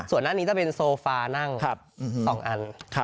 ส่วนหน้านี้จะเป็นโซฟานั่ง๒อัน